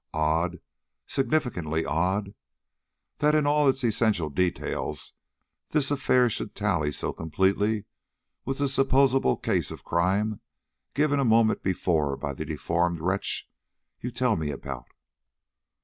"Odd, significantly odd, that in all its essential details this affair should tally so completely with the supposable case of crime given a moment before by the deformed wretch you tell me about."